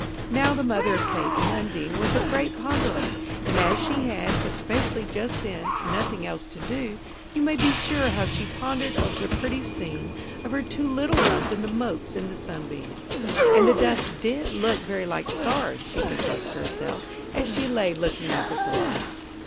Now the mother of Kate and Undine was a great ponderer; and as she had, especially just then, nothing else to do, you may be sure how she pondered over the pretty scene of her two little ones and the motes in the sunbeam. And the dust did look very like stars, she confessed to herself, as she lay looking up at the light.